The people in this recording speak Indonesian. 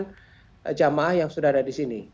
kepada jemaah yang sudah ada di sini